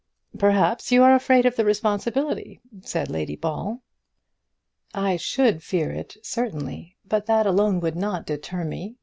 "Perhaps you are afraid of the responsibility," said Lady Ball. "I should fear it certainly; but that alone would not deter me.